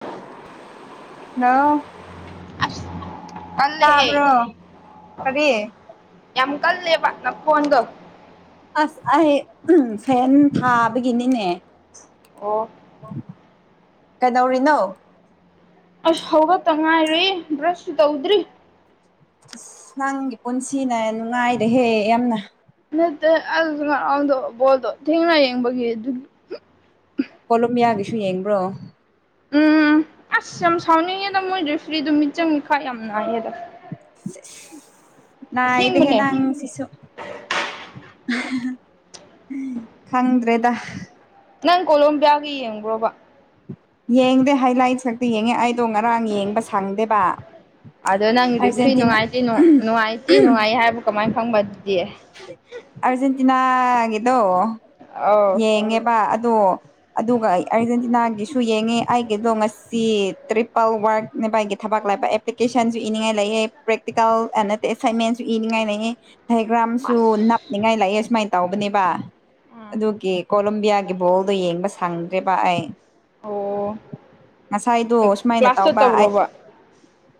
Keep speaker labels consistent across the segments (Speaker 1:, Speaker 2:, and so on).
Speaker 1: [unintelligible] ꯍꯜꯂꫭ
Speaker 2: ꯑꯁ
Speaker 1: ꯇꯥꯕ꯭ꯔꯣ
Speaker 2: ꯀꯜꯂꯦꯍꯦ
Speaker 1: ꯀꯔꯤ
Speaker 2: ꯌꯥꯝ ꯀꯜꯂꯦꯕ ꯅꯈꯣꯟꯗꯣ
Speaker 1: ꯑꯥꯁ ꯑꯩ ꯐꯦꯟ ꯊꯥꯕꯒꯤꯅꯤꯅꯦ
Speaker 2: ꯑꯣ
Speaker 1: ꯀꯩꯗꯧꯔꯤꯅꯣ
Speaker 2: ꯑꯩꯁꯨ ꯍꯧꯒꯠꯇ ꯉꯥꯏꯔꯤ ꯕ꯭ꯔꯁꯁꯨ ꯇꯧꯗ꯭ꯔꯤ
Speaker 1: ꯑꯁ ꯅꯪꯒꯤ ꯄꯨꯟꯁꯤꯅ ꯅꯨꯡꯉꯥꯏꯔꯦꯍꯦ ꯌꯥꯝꯅ
Speaker 2: [unintelligible] ꯉꯔꯥꯡꯗꯣ ꯕꯣꯜꯗꯣ ꯊꯦꯡꯅ ꯌꯦꯡꯕꯒꯤ ꯑꯗꯨꯒꯤ [unintelligible]
Speaker 1: ꯁꯨ ꯌꯦꯡꯕ꯭ꯔꯣ
Speaker 2: ꯎꯝ ꯑꯁ ꯌꯥꯝ ꯁꯥꯎꯅꯤꯡꯉꯦꯗ ꯃꯣꯏ ꯔꯦꯐ꯭ꯔꯤꯗꯣ ꯃꯤꯆꯪ ꯃꯤꯈꯥꯏ ꯌꯥꯝ ꯅꯥꯏꯌꯦꯗ
Speaker 1: [unintelligible] ꯅꯥꯏꯗꯦꯍꯦ
Speaker 2: ꯑꯁꯦꯡꯕꯅꯦ
Speaker 1: ꯅꯪꯁꯤꯁꯨ [unintelligible] ꯈꯪꯗ꯭ꯔꯦꯗ
Speaker 2: ꯅꯪ ꯀꯣꯂꯣꯝꯕꯤꯌꯥꯒꯤ ꯌꯦꯡꯕ꯭ꯔꯣꯕ
Speaker 1: ꯌꯦꯡꯗꯦ ꯍꯥꯏꯂꯥꯏꯠꯁ ꯈꯛꯇ ꯌꯦꯡꯉꯦ ꯑꯩꯗꯣ ꯉꯔꯥꯡ ꯌꯦꯡꯕ ꯁꯪꯗꯦꯕ
Speaker 2: ꯑꯗꯨ ꯅꯪ ꯔꯦꯐ꯭ꯔꯤ
Speaker 1: ꯑꯥꯔꯖꯦꯟꯇꯤꯅꯥ
Speaker 2: ꯅꯨꯡꯉꯥꯏꯇꯦ ꯅꯨꯡꯉꯥꯏꯇꯦ ꯅꯨꯡꯉꯥꯏ ꯍꯥꯏꯕ ꯀꯝꯃꯥꯏ ꯈꯪꯕ
Speaker 1: ꯑꯔꯖꯦꯟꯇꯤꯅꯥꯒꯤꯗꯣ
Speaker 2: ꯑꯧ
Speaker 1: ꯌꯦꯡꯉꯦꯕ ꯑꯗꯣ ꯑꯗꯨꯒ ꯑꯩ ꯑꯥꯔꯖꯦꯟꯇꯤꯅꯥꯒꯤꯁꯨ ꯌꯦꯡꯉꯦ ꯑꯩꯒꯤꯗꯣ ꯉꯁꯤ ꯇ꯭ꯔꯤꯄꯜ ꯋꯥꯔ [unintelligible] ꯑꯩꯒꯤ ꯊꯕꯛ ꯂꯩꯕ ꯑꯦꯄ꯭ꯂꯤꯀꯦꯁꯟꯁꯨ ꯏꯅꯤꯡꯉꯥꯏ ꯂꯩꯌꯦ ꯄ꯭ꯔꯦꯛꯇꯤꯀꯦꯜ ꯅꯠꯇꯦ ꯑꯦꯁꯥꯏꯟꯃꯦꯟꯁꯨ ꯏꯅꯤꯡꯉꯥꯏ ꯂꯩꯌꯦ ꯊꯥꯏꯔꫭꯠ ꯁꯨ
Speaker 2: ꯑꯁ
Speaker 1: ꯅꯞꯅꯤꯡꯉꯥꯏ ꯂꯩꯌꯦ ꯁꯨꯝꯃꯥꯏ ꯇꯧꯕꯅꯦꯕ
Speaker 2: ꯎꯝ
Speaker 1: ꯑꯗꯨꯒꯤ ꯀꯣꯂꯣꯝꯕꯤꯌꯥꯒꯤ ꯕꯣꯜ ꯗꯣ ꯌꯦꯡꯕ ꯁꯪꯗ꯭ꯔꯦꯕ ꯑꯩ
Speaker 2: ꯑꯣ
Speaker 1: ꯉꯁꯥꯏꯗꯣ ꯁꯨꯝꯃꯥꯏꯅ
Speaker 2: ꯀ꯭ꯂꯥꯁ
Speaker 1: ꯇꯧꯕ ꯑꯩ
Speaker 2: ꯆꯠꯇꯕ꯭ꯔꯣꯕ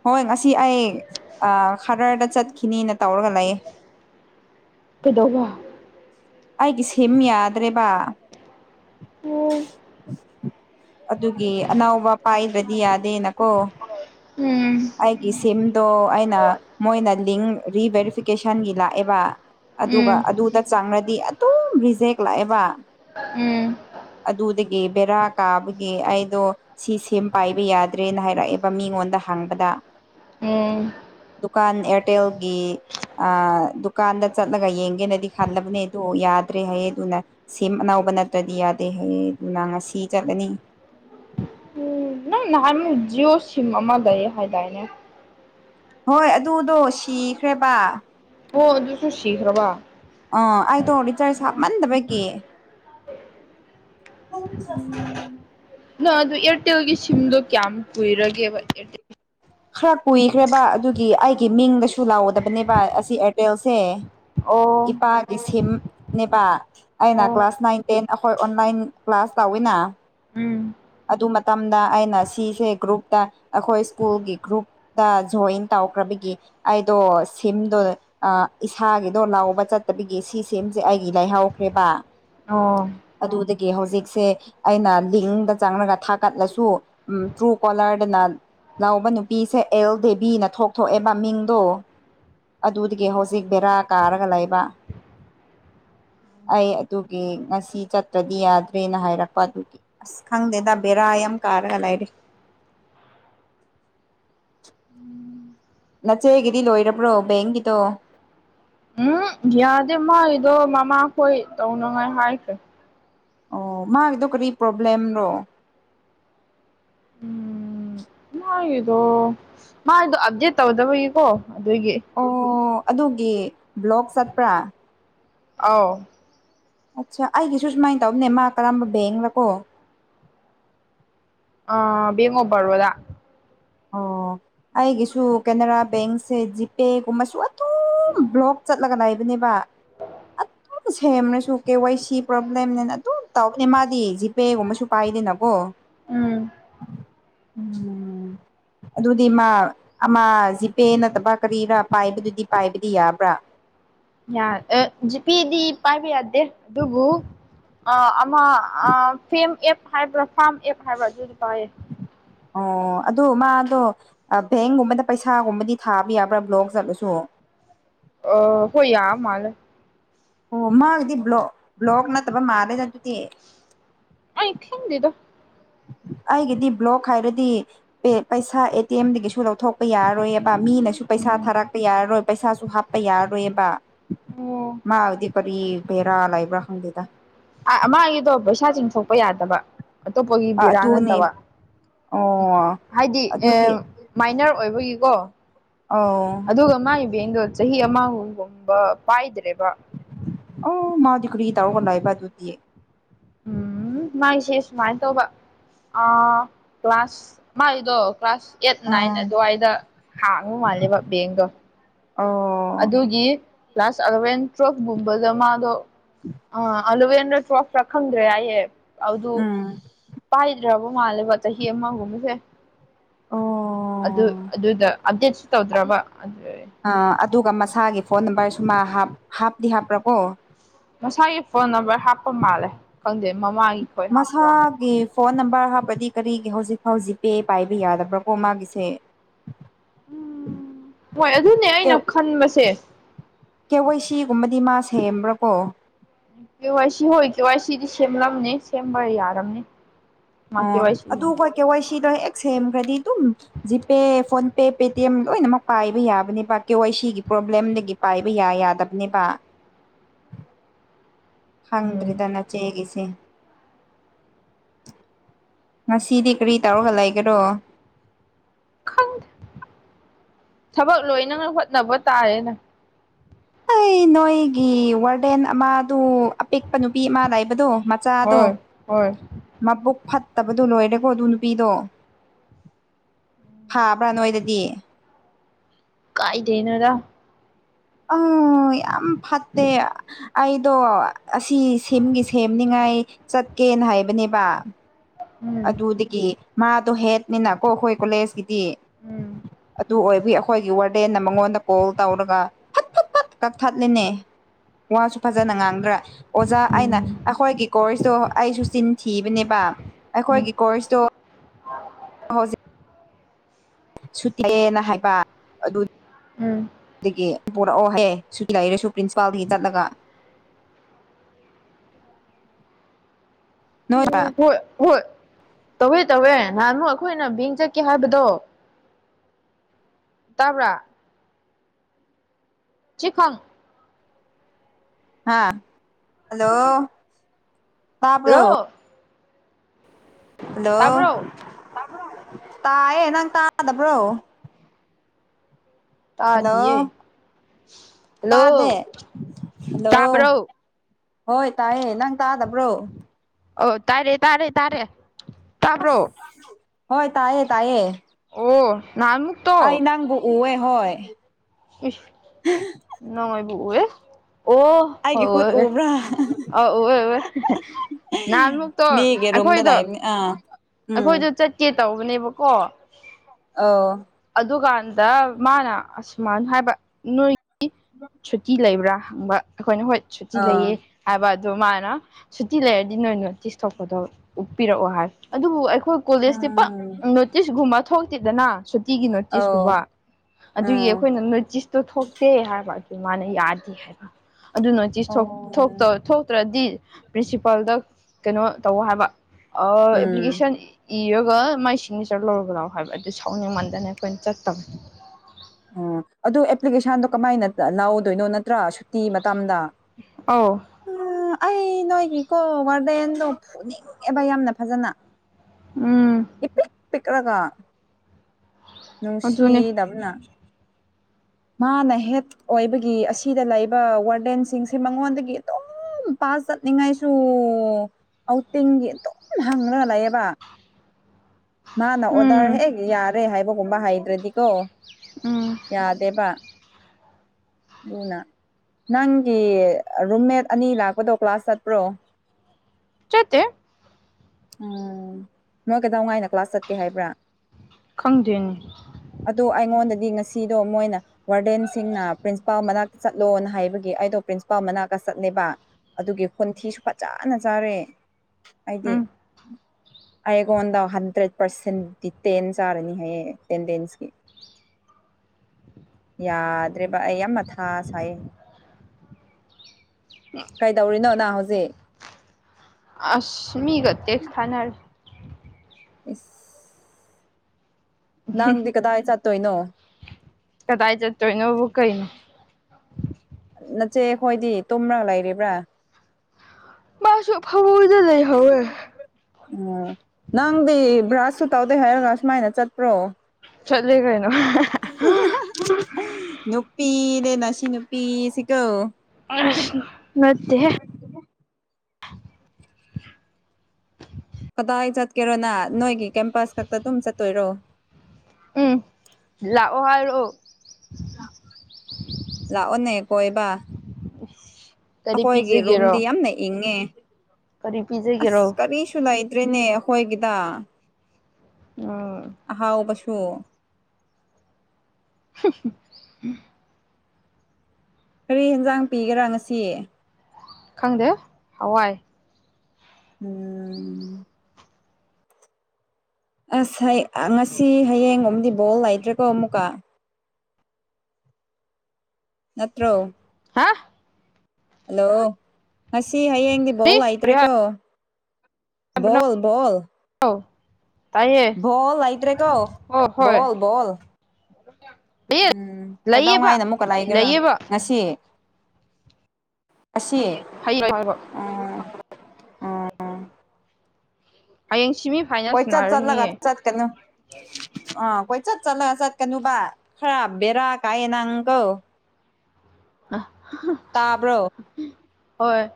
Speaker 1: ꯍꯣꯏ ꯉꯁꯤ ꯑꯩ ꯑꯥ ꯈꯥꯗꯔꯗ ꯆꯠꯈꯤꯅꯤꯅ ꯇꯧꯔꯒ ꯂꯩꯌꯦ
Speaker 2: ꯀꯩꯗꯧꯕ
Speaker 1: ꯑꯩꯒꯤ ꯁꯤꯝ ꯌꯥꯗ꯭ꯔꯦꯕ
Speaker 2: ꯑꯣ
Speaker 1: ꯑꯗꯨꯒꯤ ꯑꯅꯧꯕ ꯄꯥꯏꯗ꯭ꯔꯗꯤ ꯌꯥꯗꯦꯅꯀꯣ
Speaker 2: ꯎꯝ
Speaker 1: ꯑꯩꯒꯤ ꯁꯤꯝꯗꯣ ꯑꯩꯅ ꯃꯣꯏꯅ ꯂꯤꯡ ꯔꯤꯚꯦꯔꯤꯐꯤꯀꯦꯁꯟꯒꯤ ꯂꯥꯛꯑꯦꯕ ꯑꯗꯨꯒ
Speaker 2: ꯎꯝ ꯎꯝ
Speaker 1: ꯑꯗꯨꯗ ꯆꯪꯉꯗꯤ ꯑꯗꯨꯝ ꯔꯤꯖꯦꯛ ꯂꯥꯛꯑꯦꯕ
Speaker 2: ꯎꯝ
Speaker 1: ꯑꯗꯨꯗꯒꯤ ꯒꯤ ꯕꯦꯔꯥ ꯀꯥꯕꯒꯤ ꯑꯩꯗꯣ ꯁꯤ ꯁꯤꯝ ꯄꯥꯏꯕ ꯌꯥꯗ꯭ꯔꯦꯅ ꯍꯥꯏꯔꯛꯑꯦꯕ ꯃꯤꯉꯣꯟꯗ ꯍꯪꯕꯗꯥ
Speaker 2: ꯎꯝ
Speaker 1: ꯇꯦꯜꯒꯤ ꯑꯥ ꯗꯨꯀꯥꯟꯗ ꯆꯠꯂꯒ ꯌꯦꯡꯒꯦꯅꯗꯤ ꯈꯜꯂꯕꯅꯦ ꯑꯗꯣ ꯌꯥꯗ꯭ꯔꯦ ꯍꯥꯏꯌꯦ ꯑꯗꯨꯅ ꯁꯤꯝ ꯑꯅꯧ ꯕ ꯅꯠꯇ꯭ꯔꯗꯤ ꯌꯥꯗꯦ ꯍꯥꯏꯌꯦ ꯑꯗꯨꯅ ꯉꯁꯤ ꯆꯠꯂꯅꯤ
Speaker 2: ꯅꯪ ꯅꯍꯥꯟꯃꯨꯛ ꯖꯤꯑꯣ ꯁꯤꯝ ꯑꯃ ꯂꯩ ꯍꯥꯏꯗꯥꯥꯏꯅꯦ
Speaker 1: ꯍꯣꯏ ꯑꯗꯨꯗꯣ ꯁꯤꯈ꯭ꯔꯦꯕꯥ
Speaker 2: ꯍꯣ ꯑꯗꯨꯁꯨ ꯁꯤꯈ꯭ꯔꯕꯥ
Speaker 1: ꯑꯥ ꯑꯩꯗꯣ ꯔꯤꯆꯔꯁ ꯍꯥꯞꯃꯟꯗꯕꯒꯤ [unintelligible]
Speaker 2: ꯅꯪ ꯑꯗꯨ ꯑꯦꯌꯥꯔꯇꯦꯜꯒꯤ ꯁꯤꯝꯗꯣ ꯀꯌꯥꯝ ꯀꯨꯏꯔꯒꯦꯕ ꯑꯦꯔ
Speaker 1: ꯈꯔ ꯀꯨꯏꯈ꯭ꯔꯦꯕꯥ ꯑꯗꯨꯒꯤ ꯑꯩꯒꯤ ꯃꯤꯡꯗꯁꯨ ꯂꯥꯎꯗꯕꯅꯦꯕꯥ ꯑꯁꯤ ꯑꯦꯔꯇꯦꯜꯁꯦ
Speaker 2: ꯑꯣ
Speaker 1: ꯏꯄꯥꯒꯤ ꯁꯤꯝ ꯅꯦꯕꯥ ꯑꯩꯅ
Speaker 2: ꯑꯣ
Speaker 1: ꯀ꯭ꯂꯥꯁ ꯅꯥꯏꯟ ꯇꯦꯟ ꯑꯈꯣꯏ ꯑꯣꯟꯂꯥꯏꯟ ꯀ꯭ꯂꯥꯁ ꯇꯧꯋꯤꯅꯥ
Speaker 2: ꯎꯝ
Speaker 1: ꯑꯗꯨ ꯃꯇꯝꯗ ꯑꯩꯅ ꯁꯤꯁꯦ ꯒ꯭ꯔꯨꯞꯇ ꯑꯈꯣꯏ ꯁ꯭ꯀꯨꯜꯒꯤ ꯒ꯭ꯔꯨꯞꯇ ꯖꯣꯏꯟ ꯇꯧꯈ꯭ꯔꯕꯒꯤ ꯑꯩꯗꯣ ꯁꯤꯝꯗꯣ ꯑ ꯏꯁꯥꯒꯤꯗꯣ ꯂꯥꯛ ꯇꯧꯕ ꯆꯠꯇꯕꯤꯒꯤ ꯁꯤ ꯁꯤꯝꯁꯦ ꯑꯩꯒꯤ ꯂꯥꯏꯍꯧꯈ꯭ꯔꯦꯕꯥ
Speaker 2: ꯑꯣ
Speaker 1: ꯒꯤ ꯍꯧꯖꯤꯛꯁꯦ ꯑꯩꯅ ꯂꯤꯡꯗ ꯆꯪꯂꯒ ꯊꯥꯒꯠꯂꯁꯨ ꯎꯝ ꯇ꯭ꯔꯨ ꯀꯣꯂꯔꯗꯅꯥ ꯂꯧꯕ ꯅꯨꯄꯤꯁꯦ ꯑꯦꯜ ꯗꯦꯕꯤꯅ ꯊꯣꯛ ꯊꯣꯛ ꯑꯦꯕ ꯃꯤꯡꯗꯣ ꯑꯗꯨꯗꯒꯤ ꯍꯧꯖꯤꯛ ꯕꯦꯔꯥ ꯀꯥꯔꯒ ꯂꯩꯕ ꯑꯩ ꯑꯗꯨꯒꯤ ꯉꯁꯤ ꯆꯠꯇ꯭ꯔꯗꯤ ꯌꯥꯗ꯭ꯔꯦꯅ ꯍꯥꯏꯔꯛꯄ ꯑꯗꯨꯒꯤ ꯑꯁ ꯈꯪꯗꯦꯗ ꯕꯦꯔꯥ ꯌꯥꯝ ꯀꯥꯔꯒ ꯂꯥꯏꯔꯦ ꯅꯆꯦꯒꯤꯗꯤ ꯂꯣꯏꯔꯕ꯭ꯔꯣ ꯕꯦꯡꯒꯤꯗꯣ
Speaker 2: ꯎꯝ ꯌꯥꯗꯦ ꯃꯥꯒꯤꯗꯣ ꯃꯃꯥꯈꯣꯏ ꯇꯧꯅꯉꯥꯏ ꯍꯥꯏꯈ꯭ꯔꯦ
Speaker 1: ꯑꯣ ꯃꯥꯒꯤꯗꯣ ꯀꯔꯤ ꯄ꯭ꯔꯣꯕ꯭ꯂꯦꯝ ꯔꯣ
Speaker 2: ꯎꯝ ꯃꯥꯒꯤꯗꯣ ꯃꯥꯏꯗꯣ ꯑꯞꯗꯦꯠ ꯇꯧꯗꯕꯒꯤꯀꯣ ꯑꯗꯨꯒꯤ
Speaker 1: ꯑꯣ ꯑꯗꯨꯒꯤ ꯕ꯭ꯂꯣꯛ ꯆꯠꯄ꯭ꯔꯥ
Speaker 2: ꯑꯥꯎ
Speaker 1: ꯑꯠꯆꯥ ꯑꯩꯒꯤꯁꯨ ꯁꯨꯃꯥꯏꯅ ꯇꯧꯅꯦ ꯃꯥ ꯀꯔꯝꯕ ꯕꯦꯡꯔꯀꯣ
Speaker 2: ꯑꯥ ꯕꯦꯡ ꯑꯣꯐ ꯕꯔꯣꯗꯥ
Speaker 1: ꯑꯣ ꯑꯩꯒꯤꯁꯨ ꯀꯅꯔꯥ ꯕꯦꯡꯁꯦ ꯖꯤꯄꯦꯒꯨꯝꯕꯁꯨ ꯑ ꯑꯗꯨꯨꯝ ꯕ꯭ꯂꯣꯛ ꯆꯠꯂꯒ ꯂꯥꯏꯕꯅꯦꯕꯥ ꯑꯗꯨꯝ ꯁꯦꯝꯔꯁꯨ ꯀꯦ ꯋꯥꯏ ꯁꯤ ꯄ꯭ꯔꯣꯕ꯭ꯂꯦꯝꯅꯦꯅ ꯑꯗꯨꯝ ꯇꯧꯕꯅꯦ ꯃꯥꯗꯤ ꯖꯤꯄꯦꯒꯨꯝꯕꯁꯨ ꯄꯥꯏꯗꯦꯅ ꯀꯣ
Speaker 2: ꯎꯝ
Speaker 1: ꯎꯝ ꯑꯗꯨꯗꯤ ꯃꯥ ꯑꯃꯥ ꯖꯤꯄꯦ ꯅꯠꯇꯕ ꯀꯔꯤꯔꯥ ꯄꯥꯏꯕꯗꯨꯗꯤ ꯄꯥꯏꯕꯗꯤ ꯌꯥꯕ꯭ꯔꯥ
Speaker 2: ꯌꯥ ꯑꯦ ꯖꯤꯄꯦꯗꯤ ꯄꯥꯏꯕ ꯌꯥꯗꯦ ꯑꯗꯨꯕꯨ ꯑꯥ ꯃꯥ ꯑ ꯐꯦꯝ ꯑꯦꯞ ꯍꯥꯏꯕ꯭ꯔ ꯐꯥꯝ ꯑꯦꯞ ꯍꯥꯏꯕ꯭ꯔ ꯑꯗꯨ
Speaker 1: ꯑꯣ ꯑꯗꯨ ꯃꯥꯗꯣ ꯕꯦꯡꯒꯨꯝꯕꯗ ꯄꯩꯁꯥꯒꯨꯝꯕꯗꯤ ꯊꯥꯕ ꯌꯥꯕ꯭ꯔꯥ ꯕ꯭ꯂꯣꯛ ꯆꯠꯂꯁꯨ
Speaker 2: ꯑꯣ ꯍꯣꯏ ꯌꯥ ꯃꯥꯜꯂꯦ
Speaker 1: ꯑꯣ ꯃꯥꯒꯤꯗꯤ ꯕ꯭ꯂꯣꯛ ꯕ꯭ꯂꯣꯛ ꯅꯠꯇꯕ ꯃꯥꯜꯂꯦꯗꯥ ꯑꯗꯨꯗꯤ
Speaker 2: ꯑꯩ ꯈꯪꯗꯦꯗꯥ
Speaker 1: ꯑꯩꯒꯤꯗꯤ ꯕ꯭ꯂꯣꯛ ꯍꯥꯏꯔꯗꯤ ꯄꯦ ꯄꯩꯁꯥ ꯑꯦ ꯇꯦꯝ ꯗꯒꯤꯁꯨ ꯂꯧꯊꯣꯛꯄ ꯌꯥꯔꯔꯣꯏꯌꯦ ꯄ ꯃꯤꯅꯁꯨ ꯄꯩꯁꯥ
Speaker 2: ꯎꯝ
Speaker 1: ꯊꯥꯔꯛꯄ ꯌꯥꯔꯔꯣꯏ ꯄꯩꯁꯥꯁꯨ ꯍꯥꯞꯄ ꯌꯥꯔꯔꯣꯏꯕ
Speaker 2: ꯑꯣ
Speaker 1: ꯃꯥ ꯒꯗꯤ ꯀꯔꯤ ꯕꯦꯔꯥ ꯂꯥꯏꯕ꯭ꯔꯥ ꯈꯪꯗꯦꯗꯥ
Speaker 2: ꯄ ꯌꯥꯗꯕ ꯑꯇꯣꯞꯄꯒꯤ
Speaker 1: ꯑꯥ
Speaker 2: ꯕꯦꯔꯥ
Speaker 1: ꯑꯗꯨꯅꯦ
Speaker 2: ꯅꯠꯇꯕ
Speaker 1: ꯑꯣ
Speaker 2: ꯍꯥꯏꯗꯤ
Speaker 1: ꯑꯗꯨꯗꯤ
Speaker 2: ꯑꯦ ꯃꯥꯏꯅ꯭ꯔ ꯑꯣꯏꯕꯒꯤꯀꯣ
Speaker 1: ꯑꯧ
Speaker 2: ꯑꯗꯨꯒ ꯃꯥꯒꯤ ꯕꯦꯡꯗꯣ ꯆꯍꯤ ꯑꯃꯒꯨꯝꯕ ꯄꯥꯏꯗ꯭ꯔꯦ
Speaker 1: ꯑꯣ ꯃꯥꯗꯤ ꯀ꯭ꯔꯤ ꯇꯧꯔ ꯂꯩꯕ ꯑꯗꯨꯗꯤ
Speaker 2: ꯎꯝ ꯃꯥꯏꯁꯦ ꯁꯨꯃꯥꯏ ꯇꯧꯕ ꯑꯥ ꯀ꯭ꯂꯥꯁ ꯃꯥꯏꯗꯣ ꯀ꯭ꯂꯥꯁ ꯑꯦꯠ ꯅꯥꯏꯟ
Speaker 1: ꯑꯥ
Speaker 2: ꯑꯗꯨꯋꯥꯏꯗ ꯍꯥꯡꯕ ꯃꯥꯜꯂꯦꯕ ꯕꯦꯡꯗꯣ
Speaker 1: ꯑꯣ
Speaker 2: ꯑꯗꯨꯒꯤ ꯀ꯭ꯂꯥꯁ ꯑꯦꯂꯚꯦꯟ ꯇꯨꯋꯦꯜ ꯒꯨꯝꯕꯗ ꯃꯥꯗꯣ ꯑ ꯑꯂꯕꯦꯟꯗ ꯇꯨꯋꯦꯐꯔ ꯈꯪꯗ꯭ꯔꯦ ꯑꯩ ꯑꯗꯨ
Speaker 1: ꯎꯝ
Speaker 2: ꯄꯥꯢ ꯔꯕ ꯃꯥꯜꯂꯦꯕ ꯆꯍꯤ ꯑꯃꯒꯨꯝꯕꯁꯦ
Speaker 1: ꯑꯣ
Speaker 2: ꯑꯗꯨ ꯑꯗꯨꯗ ꯑꯞꯗꯦꯠꯁꯨ ꯇꯧꯗ꯭ꯔꯕ ꯑꯗꯨꯏ
Speaker 1: ꯑꯥ ꯑꯗꯨꯒ ꯃꯁꯥꯒꯤ ꯐꯣꯟ ꯅꯝꯕꯔꯁꯨ ꯃꯥ ꯍꯥꯞ ꯍꯥꯞꯇꯤ ꯍꯥꯞꯄ꯭ꯔꯀꯣ
Speaker 2: ꯃꯁꯥꯒꯤ ꯐꯣꯟ ꯅꯝꯕ꯭ꯔ ꯍꯥꯞꯄ ꯃꯥꯜꯂꯦ ꯈꯪꯗꯦ ꯃꯃꯥꯒꯤ ꯈꯣꯏ ꯍꯥꯞꯄ꯭ꯔꯥ
Speaker 1: ꯃꯁꯥꯒꯤ ꯐꯣꯟ ꯅꯝꯕ꯭ꯔ ꯍꯥꯞꯄꯗꯤ ꯀꯔꯤꯒꯤ ꯍꯧꯖꯤꯛꯐꯥꯎ ꯖꯤꯄꯦ ꯄꯥꯏꯕ ꯌꯥꯗꯕ꯭ꯔꯀꯣ ꯃꯥꯒꯤꯁꯦ
Speaker 2: ꯎꯝ ꯍꯣꯏ ꯑꯗꯨꯅꯦ ꯑꯩꯅ ꯈꯟꯕꯁꯦ
Speaker 1: ꯀꯦꯋꯥꯏꯁꯤ ꯒꯨꯝꯕꯗꯤ ꯃꯥ ꯁꯦꯝꯕ꯭ꯔꯥꯀꯣ
Speaker 2: ꯀꯦ ꯋꯥꯏꯁꯤ ꯍꯣꯏ ꯀꯦ ꯋꯥꯏꯁꯤꯗꯤ ꯁꯦꯝꯂꯝꯅꯤ ꯁꯦꯝꯕ ꯌꯥꯔꯝꯅꯤ ꯃꯥ ꯀꯦ
Speaker 1: ꯑꯣ
Speaker 2: ꯋꯥꯏ ꯁꯤ
Speaker 1: ꯑꯗꯨ ꯈꯣꯏ ꯀꯦꯋꯥꯢꯁꯤ ꯁꯤꯗꯣ ꯍꯦꯛ ꯁꯦꯝꯈ꯭ꯔꯗꯤ ꯑꯗꯨꯝ ꯖꯤꯄꯦ ꯐꯣꯟ ꯄꯦ ꯄꯦ ꯇꯤ ꯌꯝ ꯂꯣꯏꯅꯃꯛ ꯄꯥꯏꯕ ꯌꯥꯕꯅꯦꯕ ꯀꯦ ꯋꯥꯢ ꯃꯁꯤꯒꯤ ꯄ꯭ꯔꯣꯕ꯭ꯂꯦꯝꯗꯒꯤ ꯄꯥꯏꯕ ꯌꯥ ꯌꯥꯗ꯭ꯕꯅꯦꯕ
Speaker 2: ꯎꯝ
Speaker 1: ꯈꯪꯗ꯭ꯔꯦꯗ ꯅꯆꯦꯒꯤꯁꯦ ꯉꯁꯤꯗꯤ ꯀꯔꯤ ꯇꯧꯔꯒ ꯂꯩꯒꯦꯔꯣ
Speaker 2: ꯈꯪꯗꯦ ꯊꯕꯛ ꯂꯣꯏꯅꯉꯥꯢ ꯍꯣꯠꯅꯕ ꯇꯥꯔꯦꯅ
Speaker 1: ꯑꯩ ꯅꯣꯏꯒꯤ ꯋꯥꯔꯗꯦꯟ ꯑꯃꯗꯨ ꯑꯄꯤꯛꯄ ꯅꯨꯄꯤ ꯑꯃ ꯂꯩꯕꯗꯨ ꯃꯆꯥꯗꯣ
Speaker 2: ꯍꯣꯏ ꯍꯣꯏ
Speaker 1: ꯃꯕꯨꯛ ꯐꯠ ꯇꯕꯗꯨ ꯂꯣꯏꯔꯦꯀꯣ ꯑꯗꯨ ꯅꯨꯄꯤꯗꯣ ꯐꯥꯕ꯭ꯔꯥ ꯅꯣꯏꯗꯗꯤ
Speaker 2: ꯀꯥꯏꯗꯩꯅꯣꯗꯥ
Speaker 1: ꯑꯪ ꯑꯣ ꯌꯥꯝ ꯐꯠꯇꯦ ꯑꯩꯗꯣ ꯑꯁꯤ ꯁꯦꯝꯒꯤ ꯁꯦꯝꯅꯤꯡꯉꯥꯏ ꯆꯠ ꯀꯦꯅ ꯍꯥꯏꯕꯅꯦꯕ
Speaker 2: ꯎꯝ
Speaker 1: ꯑꯗꯨꯗꯒꯤ ꯃꯥꯗꯣ ꯍꯦꯠꯅꯤꯅ ꯀꯣ ꯑꯈꯣꯏ ꯀꯣꯂꯦꯖꯀꯤ ꯗꯤ
Speaker 2: ꯎꯝ
Speaker 1: ꯑꯗꯨ ꯑꯣꯏꯕꯩ ꯑꯈꯣꯏꯒꯤ ꯋꯥꯔꯗꯦꯟꯅ ꯃꯉꯣꯟꯗ ꯀꯣꯜ ꯇꯧꯔꯒ ꯀꯛꯊꯠꯂꯤꯅꯦ ꯋꯥꯁꯨ ꯐꯖꯅ ꯉꯥꯡꯗ꯭ꯔ ꯑꯣꯖꯥ ꯑꯩꯅ
Speaker 2: ꯎꯝ
Speaker 1: ꯑꯈꯣꯏꯒꯤ ꯀꯣꯔꯁꯇꯣ ꯑꯩꯁꯨ ꯆꯤꯟ ꯊꯤꯕꯅꯦꯕ
Speaker 2: ꯎꯝ
Speaker 1: ꯑꯩꯈꯣꯏꯒꯤ ꯀꯣꯔꯁꯇꯣ
Speaker 2: [inaudible]
Speaker 1: ꯑꯥ ꯍꯧꯖꯤꯛ ꯁꯨꯇꯤꯑꯦꯅ ꯍꯥꯏꯕ ꯑꯗꯨ
Speaker 2: ꯎꯝ
Speaker 1: ꯗꯒꯤ ꯄꯨꯔꯛꯑꯣ ꯍꯥꯢꯌꯦ ꯁꯨꯇꯤ ꯂꯩꯔꯁꯨ ꯄ꯭ꯔꯤꯟꯁꯤꯄꯥꯜꯗꯒꯤ ꯆꯠꯂꯒ ꯅꯣꯏꯗ
Speaker 2: ꯎꯝ ꯍꯣꯏ ꯍꯣꯏ ꯇꯧꯋꯦ ꯇꯧꯋꯦ ꯅꯍꯥꯟꯃꯨꯛ ꯑꯈꯣꯏꯅ ꯕꯦꯡ ꯆꯠꯀꯦ ꯍꯥꯏꯕꯗꯣ ꯇꯥꯕ꯭ꯔ ꯆꯤꯈꯪ
Speaker 1: ꯍꯥ ꯍꯜꯂꯣ ꯇꯥꯕ꯭ꯔꯣ
Speaker 2: ꯍꯜꯂꯣ
Speaker 1: ꯍꯜꯂꯣ
Speaker 2: ꯇꯥꯕ꯭ꯔꯣ
Speaker 1: ꯇꯥꯕ꯭ꯔꫭ ꯇꯥꯏꯌꯦ ꯅꯪ ꯇꯥꯗꯕ꯭ꯔꯣ ꯍꯜꯂꯣ
Speaker 2: ꯇꯥꯗꯤꯌꯦ ꯍꯜꯂꯣ
Speaker 1: ꯇꯥꯗꯦ ꯍꯜꯂꯣ
Speaker 2: ꯇꯥꯕ꯭ꯔꯣ
Speaker 1: ꯍꯣꯏ ꯇꯥꯏꯌꯦ ꯅꯪ ꯇꯥꯗꯕ꯭ꯔꯣ
Speaker 2: ꯑꯣ ꯇꯥꯔꯦ ꯇꯥꯔꯦ ꯇꯥꯔꯦ ꯇꯥꯕ꯭ꯔꯣ
Speaker 1: ꯑꯁ ꯍꯣꯏ ꯇꯥꯏꯌꯦ ꯇꯥꯏꯌꯦ
Speaker 2: ꯑꯣ
Speaker 1: ꯑꯩ
Speaker 2: ꯅꯍꯥꯟꯃꯨꯛꯇꯣ
Speaker 1: ꯅꯪꯕꯨ ꯎꯋꯦ ꯍꯣꯏ
Speaker 2: ꯏꯁ ꯅꯪ ꯑꯩꯕꯨ ꯎꯋꯦ
Speaker 1: ꯑꯩꯒꯤ ꯈꯨꯠ ꯎꯕ꯭ꯔ
Speaker 2: ꯑꯧ ꯎꯋꯦ ꯎꯋꯦ [unintelligible] ꯅꯍꯥꯟꯃꯨꯛꯇꯣ
Speaker 1: ꯃꯤꯒꯤ ꯔꯨꯝꯗ
Speaker 2: ꯑꯈꯣꯏꯗꯣ
Speaker 1: ꯂꯩꯕꯅꯤ ꯑꯥ ꯎꯝ
Speaker 2: ꯑꯩꯈꯣꯏꯗꯣ ꯆꯠꯀꯦ ꯇꯧꯕꯅꯦꯕꯀꯣ
Speaker 1: ꯑꯧ
Speaker 2: ꯑ ꯀꯥꯟꯗ ꯃꯥꯅ ꯑꯁꯨꯃꯥꯏꯅ ꯍꯥꯏꯕ ꯅꯣꯏ ꯒꯤ ꯁꯨꯇꯤ ꯂꯩꯕ꯭ꯔ ꯍꯪꯕ ꯑꯩꯈꯣꯏꯅ ꯍꯣꯏ ꯁꯨꯇꯤ
Speaker 1: ꯑꯥ
Speaker 2: ꯂꯩꯌꯦ ꯍꯥꯏꯕ ꯑꯗꯨ ꯃꯥꯅ ꯁꯨꯇꯤ ꯂꯩꯔꯗꯤ ꯅꯣꯏ ꯅꯣꯇꯤꯁ ꯊꯣꯛꯄꯗꯣ ꯎꯞꯄꯤꯔꯛꯑꯣ ꯍꯥꯏ ꯑꯗꯨꯕꯨ ꯑꯩ ꯑꯩꯈꯣꯏ ꯀꯣꯂꯦꯁꯇꯤ ꯄꯥꯛ
Speaker 1: ꯎꯝ
Speaker 2: ꯅꯣꯇꯤꯁꯒꯨꯝꯕ ꯊꯣꯛꯇꯦꯗꯅ ꯁꯨꯇꯤꯒꯤ
Speaker 1: ꯑꯧ
Speaker 2: ꯅꯣꯇꯤꯁꯀꯨꯕ ꯑꯗꯨꯒꯤ
Speaker 1: ꯎꯝ
Speaker 2: ꯑꯩꯈꯣꯏꯅ ꯅꯣꯇꯤꯁꯇꯣ ꯊꯣꯛꯇꯦ ꯍꯥꯏꯕ ꯑꯗꯨꯒꯤ ꯃꯥꯅ ꯌꯥꯗꯦ ꯍꯥꯏꯕ ꯑꯗꯨ ꯅꯣꯇꯤꯁ
Speaker 1: ꯑꯣ
Speaker 2: [unintelligible] ꯊꯣꯛꯇ꯭ꯔꯗꯤ ꯄ꯭ꯔꯤꯟꯁꯤꯄꯥꯜꯗ ꯀꯩꯅꯣ ꯇꯧ ꯍꯥꯏꯕ ꯑꯥ
Speaker 1: ꯎꯝ
Speaker 2: ꯑꯦꯄ꯭ꯂꯤꯀꯦꯁꯟ ꯏꯔꯒ ꯃꯥꯏ ꯁꯤꯛꯅꯦꯆꯔ ꯂꯧꯔꯒ ꯂꯥꯑꫭ ꯍꯥꯏꯕ ꯑꯗꯨ ꯁꯥꯎꯅꯤꯡꯃꯟꯗꯅ ꯑꯩꯈꯣꯏꯅ ꯆꯠꯇꯝ
Speaker 1: ꯎꯝ ꯑꯗꯨ ꯑꯦꯄ꯭ꯂꯤꯀꯦꯁꯟꯗꯣ ꯀꯃꯥꯏꯅ ꯂꯧꯗꯣꯏꯅꯣ ꯅꯠꯇ꯭ꯔ ꯁꯨꯇꯤ ꯃ ꯇꯝꯗ
Speaker 2: ꯑꯧ
Speaker 1: [unintelligible] ꯑꯩ ꯅꯣꯏꯒꯤꯀꯣ ꯋꯥꯔꯗꯦꯟꯗꯣ ꯐꯨꯅꯤꯡꯉꯦꯕ ꯌꯥꯝꯅ ꯐꯖꯅ
Speaker 2: ꯎꯝ
Speaker 1: [unintelligible]
Speaker 2: ꯑꯗꯨꯅꯦ
Speaker 1: ꯅꯨꯡꯁꯤꯗꯞꯅ ꯃꯥꯅ ꯍꯦꯠ ꯑꯣꯏꯕꯒꯤ ꯑꯁꯤꯗ ꯂꯩꯕ ꯋꯥꯔꯗꯦꯟꯁꯤꯡꯁꯦ ꯃꯉꯣꯟꯗꯒꯤ ꯑꯗꯨꯝ ꯑꯗꯨꯝ ꯄꯥꯁ ꯆꯠꯅꯤꯡꯉꯥꯏꯁꯨ ꯑꯎꯇꯤꯡꯒꯤ ꯑꯗꯨꯝ ꯍꯪꯉꯒ ꯂꯩꯌꯦꯕ ꯃꯥꯅ
Speaker 2: ꯎꯝ
Speaker 1: ꯑꯣꯗꯔ ꯍꯦꯛ ꯌꯥꯔꯦ ꯍꯥꯏꯕꯒꯨꯝꯕ ꯍꯩꯗ꯭ꯔꯗꯤꯀꯣ
Speaker 2: ꯎꯝ
Speaker 1: ꯌꯥꯗꯦꯕ ꯑꯗꯨꯅ ꯅꯪꯒꯤ ꯔꯨꯝꯃꯦꯠ ꯑꯅꯤ ꯂꯥꯛꯄꯗꯣ ꯀ꯭ꯂꯥꯁ ꯆꯠꯄ꯭ꯔꯣ
Speaker 2: ꯆꯠꯇꯦ
Speaker 1: ꯎꯝ ꯃꯣꯏ ꯀꯩꯗꯧꯉꯥꯏꯅ ꯀ꯭ꯂꯥꯁ ꯆꯠꯀꯦ ꯍꯥꯏꯕ꯭ꯔ
Speaker 2: ꯈꯪꯗꯦꯅꯦ
Speaker 1: ꯑꯗꯨ ꯑꯩꯉꯣꯟꯗ ꯗꯤ ꯉꯁꯤꯗꯣ ꯃꯣꯏꯅ ꯋꯥꯔꯗꯦꯟꯁꯤꯡꯅ ꯄ꯭ꯔꯤꯟꯁꯤꯄꯥꯜ ꯃꯅꯥꯛꯇ ꯆꯠꯂꯣꯅ ꯍꯥꯏꯕꯒꯤ ꯑꯩꯗꯣ ꯄ꯭ꯔꯤꯟꯁꯤꯄꯥꯜ ꯃꯅꯥꯛꯇ ꯆꯠꯂꯦꯕ ꯑꯗꯨꯒꯤ ꯈꯣꯟꯊꯤꯁꯨ ꯐꯖꯅ ꯆꯥꯔꯦ ꯑꯩꯗꯤ
Speaker 2: ꯎꯝ
Speaker 1: [inaudible] ꯑꯩꯉꯣꯟꯗ ꯍꯟꯗ꯭ꯔꯦꯠ ꯄꯥꯔꯁꯦꯟ ꯗꯤ ꯇꯦꯟ ꯆꯥꯔꯤꯅꯤꯍꯦ ꯑꯦꯇꯦꯟꯗꯦꯟꯁꯀꯤ ꯌꯥꯗ꯭ꯔꯦꯕ ꯑꯩ ꯌꯥꯝ ꯃꯊꯥ ꯁꯥꯏꯌꯦ ꯀꯩꯗꯧꯔꯤꯅꯣ ꯅꯪ ꯍꯧꯖꯤꯛ
Speaker 2: ꯑꯥꯁ ꯃꯤꯒ ꯇꯦꯛꯁ ꯊꯥꯅꯔꯤ
Speaker 1: ꯏꯁ ꯅꯪꯗꯤ ꯀꯗꯥꯏ ꯆꯠꯇꯣꯏꯅꯣ
Speaker 2: ꯀꯗꯥꯏ ꯆꯠꯇꯣꯏꯅꯣꯕꯨ ꯀꯩꯅꯣ
Speaker 1: ꯅꯆꯦ ꯈꯣꯏꯗꯤ ꯇꯨꯝꯔꯥ ꯂꯩꯔꯤꯕ꯭ꯔꯥ
Speaker 2: ꯃꯥꯁꯨ ꯐꯃꯨꯡꯗ ꯂꯩ ꯍꯧꯋꯦ
Speaker 1: ꯑꯣ ꯅꯪꯗꯤ ꯕ꯭ꯔꯥꯁꯁꯨ ꯇꯧꯗꯦ ꯍꯥꯏꯔꯒ ꯁꯨꯃꯥꯏꯅ ꯆꯠꯄ꯭ꯔꯣ
Speaker 2: ꯆꯠꯂꯦ ꯀꯩꯅꯣ
Speaker 1: ꯅꯨꯄꯤ ꯅꯦꯅ ꯁꯤ ꯅꯨꯄꯤꯁꯤꯀꯣ
Speaker 2: ꯅꯠꯇꯦꯍꯦ [inaudible]
Speaker 1: ꯀꯗꯥꯏ ꯆꯠꯀꯦꯔꯣ ꯅꯪ ꯅꯣꯏꯒꯤ ꯀꯦꯝꯄꯁ ꯈꯛꯇ ꯑꯗꯨꯝ ꯆꯠꯇꯣꯏꯔꯣ
Speaker 2: ꯎꯝ ꯂꯥꯛꯑꯣ ꯍꯥꯏꯔꯛꯑꯣ
Speaker 1: ꯂꯥꯛꯑꯣꯅꯦ ꯀꯣꯏꯕ
Speaker 2: ꯀꯔꯤ
Speaker 1: ꯑꯩꯈꯣꯏꯒꯤ
Speaker 2: ꯄꯤꯖꯒꯦꯔꯣ
Speaker 1: ꯔꯨꯝꯗꯤ ꯌꯥꯝꯅ ꯏꯪꯉꯦ
Speaker 2: ꯀꯔꯤ ꯄꯤꯖꯒꯦꯔꯣ
Speaker 1: ꯑꯁ ꯀꯔꯤꯁꯨ ꯂꯩꯇ꯭ꯔꯦꯅꯦ ꯑꯩꯈꯣꯏꯒꯤꯗ
Speaker 2: ꯑꯣ
Speaker 1: ꯑꯍꯥꯎꯕꯁꯨ
Speaker 2: [unintelligible]
Speaker 1: ꯀꯔꯤ ꯍꯦꯟꯖꯥꯡ ꯄꯤꯒꯦꯔꯥ ꯉꯁꯤ
Speaker 2: ꯈꯪꯗꯦ ꯍꯋꯥꯏ
Speaker 1: ꯎꯝ ꯑꯁ ꯍꯩ ꯉꯁꯤ ꯍꯌꯦꯡ ꯒꯨꯝꯗꯤ ꯕꯣꯜ ꯂꯩꯇ꯭ꯔꯦꯀꯣ ꯑꯃꯨꯛꯀ ꯅꯠꯇ꯭ꯔꯣ
Speaker 2: ꯍꯥ
Speaker 1: ꯍꯜꯂꯣ ꯉꯁꯤ ꯍꯌꯦꯡꯗꯤ ꯕꯣꯜ
Speaker 2: ꯀꯔꯤ ꯀꯔꯤ
Speaker 1: ꯂꯩꯥꯇ꯭ꯔꯦꯀꯣ ꯕꯣꯜ ꯕꯣꯜ
Speaker 2: ꯑꯣ
Speaker 1: ꯕꯣꯜ ꯂꯩꯇ꯭ꯔꯦꯀꯣ
Speaker 2: ꯍꯣꯏ ꯍꯣꯏ
Speaker 1: ꯕꯣꯜ ꯕꯣꯜ
Speaker 2: [unintelligible]
Speaker 1: ꯎꯝ ꯀꯩꯗꯥꯥꯎ
Speaker 2: ꯂꯩꯌꯦꯕ
Speaker 1: ꯉꯥꯏꯗ ꯑꯃꯨꯛꯀ ꯂꯩꯒꯦꯔꯣ
Speaker 2: ꯂꯩꯌꯦꯕ
Speaker 1: ꯉꯁꯤ ꯑꯁꯤ
Speaker 2: ꯍꯌꯦꯡ ꯍꯥꯏꯕ
Speaker 1: ꯎꯝ
Speaker 2: [unintelligible] ꯍꯌꯦꯡ ꯁꯤꯃꯤ ꯐꯥꯏꯅꯦꯜ
Speaker 1: ꯀꯣꯏ ꯆꯠ ꯆꯠꯂꯒ
Speaker 2: ꯁꯥꯟꯅꯔꯅꯤꯌꯦ
Speaker 1: ꯆꯠꯀꯅꯣ ꯑꯥ ꯀꯣꯏ ꯆꯠ ꯆꯠꯂꯒ ꯆꯠꯀꯅꯨꯕ ꯈꯔꯞ ꯕꯦꯔꯥ ꯀꯥꯏꯌꯦ ꯅꯪꯀꯣ
Speaker 2: ꯑ
Speaker 1: ꯇꯥꯕ꯭ꯔꯣ
Speaker 2: ꯍꯣꯏ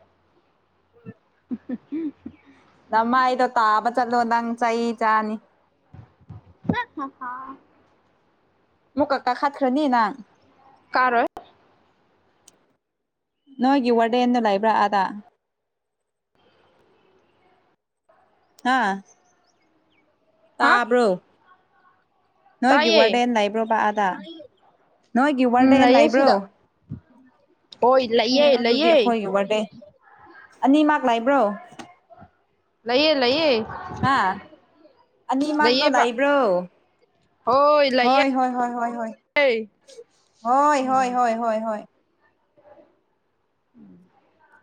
Speaker 2: [unintelligible]
Speaker 1: ꯅꯃꯥꯏꯗꯣ ꯇꯥꯕ ꯆꯠꯂꯣ ꯅꯪ ꯆꯩ ꯆꯥꯅꯤ
Speaker 2: ꯍ ꯍ
Speaker 1: ꯃꯨꯛꯀꯥ ꯀꯈꯠꯈ꯭ꯔꯅꯤ ꯅꯪ
Speaker 2: ꯀꯔꯣꯏ
Speaker 1: ꯅꯣꯏꯒꯤ ꯋꯥꯔꯗꯦꯟꯗꯣ ꯂꯩꯕ꯭ꯔꯥ ꯑꯗ ꯍꯥ
Speaker 2: ꯍꯥ
Speaker 1: ꯇꯥꯕ꯭ꯔꯣ
Speaker 2: ꯇꯥꯏꯌꯦ
Speaker 1: ꯅꯣꯏꯒꯤꯋꯥꯔꯗꯦꯟ ꯂꯩꯕ꯭ꯔꯣ ꯚꯥꯏꯑꯗꯥ ꯅꯣꯏꯒꯤ
Speaker 2: ꯎꯝ
Speaker 1: ꯋꯥꯔꯗꯦꯟ
Speaker 2: ꯂꯩꯌꯦ
Speaker 1: ꯂꯩꯕ꯭ꯔꯣ
Speaker 2: ꯁꯤꯗ ꯍꯣꯏ ꯂꯩꯌꯦ
Speaker 1: ꯑꯦ ꯑꯗꯨꯗꯤ
Speaker 2: ꯂꯩꯌꯦ
Speaker 1: ꯑꯩꯈꯣꯏꯒꯤ ꯋꯥꯔꯗꯦꯟ ꯑꯅꯤꯃꯛ ꯂꯥꯏꯕ꯭ꯔꯣ
Speaker 2: ꯂꯩꯌꯦ ꯂꯩꯌꯦ
Speaker 1: ꯍꯥ ꯑꯅꯤ ꯃꯥꯛꯗꯣ
Speaker 2: ꯂꯩꯌꯦꯕ
Speaker 1: ꯂꯩꯕ꯭ꯔꯣ ꯍꯣꯏ ꯍꯣꯏ ꯍꯣꯏ ꯍꯣꯏ ꯍꯣꯏ ꯍꯣꯏ ꯍꯣꯏ
Speaker 2: ꯎꯝ
Speaker 1: ꯍꯣꯏ ꯍꯣꯏ ꯍꯣꯏ
Speaker 2: ꯎꯝ